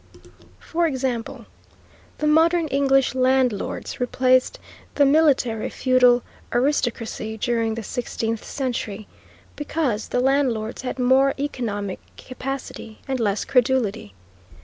For example, the modern English landlords replaced the military feudal aristocracy during the sixteenth century, because the landlords had more economic capacity and less credulity.